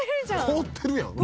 凍ってるやん。